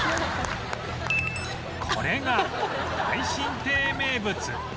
これが大進亭名物